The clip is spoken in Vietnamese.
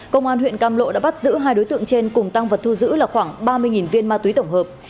công an huyện cam lộ đã bắt giữ hai đối tượng trên cùng tăng vật thu giữ là khoảng ba mươi viên ma túy tổng hợp